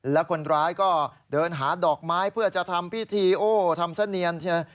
แล้วคนร้ายก็เดินหาดอกไม้เพื่อจะทำพิธีโอ้ทำเสนียนใช่ไหม